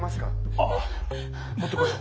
・ああ持ってこよう。